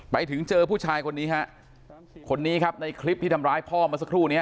ไปเจอผู้ชายคนนี้ฮะคนนี้ครับในคลิปที่ทำร้ายพ่อเมื่อสักครู่นี้